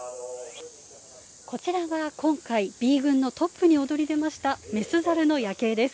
こちらが今回Ｂ群のトップに躍り出ました雌ザルのヤケイです。